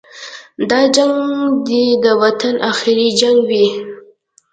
دا جنګ دې د وطن اخري جنګ وي.